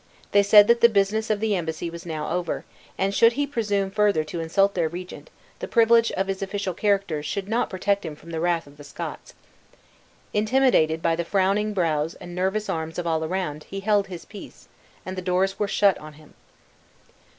They said that the business of the embassy was now over; and should he presume further to insult their regent, the privilege of his official character should not protect him from the wrath of the Scots. Intimidated by the frowning brows and nervous arms of all around, he held his peace, and the doors were shut on him.